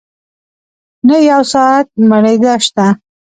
نه يې يو ساعت مړېدۀ شته